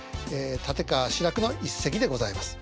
立川志らくの一席でございます。